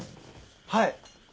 はい。